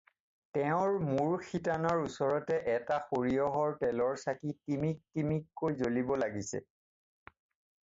তেওঁৰ মূৰ-শিতানৰ ওচৰতে এটা সৰিয়হৰ তেলৰ চাকি টিমিক টিমিককৈ জ্বলিব লাগিছে।